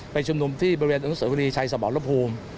เป็นชมนุมที่บริเวณอังคตวรีชัยสมรรพภูมิ